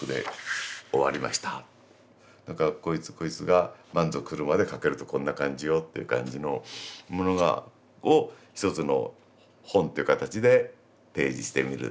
何かこいつが満足するまで駆けるとこんな感じよっていう感じのものを一つの本っていう形で提示してみる